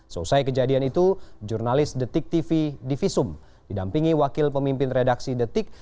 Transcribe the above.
selesai kejadian itu jurnalis detik tv divisum didampingi wakil pemimpin redaksi detik